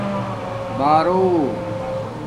بݳرݸ